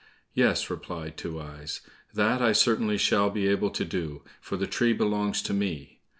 "Yes," replied Two eyes, "that I certainly shall be able to do, for the tree belongs to me."